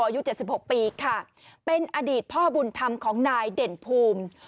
อายุ๗๖ปีค่ะเป็นอดีตพ่อบุญธรรมของนายเด่นภูมิ